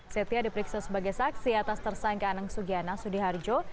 setia diperiksa sebagai saksi atas tersangka anang sugiana sudiharjo